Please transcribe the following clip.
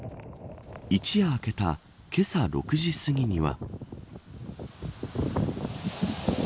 一夜明けた、けさ６時過ぎには。